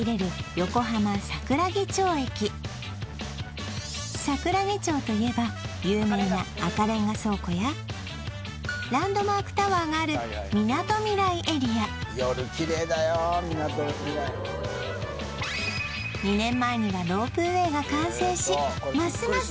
横浜・桜木町駅桜木町といえば有名な赤レンガ倉庫やランドマークタワーがあるみなとみらいエリア夜キレイだよみなとみらい２年前にはロープウェイが完成しますます